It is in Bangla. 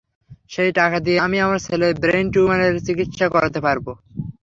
সেই টাকা দিয়ে আমি আমার ছেলের ব্রেইন টিউমারের, চিকিৎসা করাতে পারব।